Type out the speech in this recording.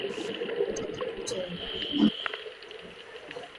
Ripoti ya Utafiti ya Wageni wa Kimataifa